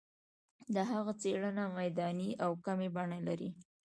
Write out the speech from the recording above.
د هغه څېړنه میداني او کمي بڼه لري.